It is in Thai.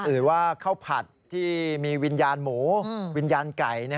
อื่นว่าข้าวผัดที่มีวิญญาณหมูวิญญาณไก่